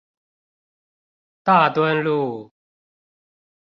大墩路